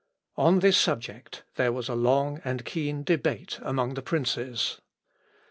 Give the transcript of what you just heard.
On this subject there was a long and keen debate among the princes.